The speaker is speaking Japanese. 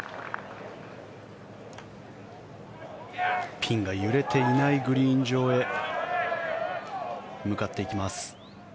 ピンが揺れていないグリーン上へ向かっていきます。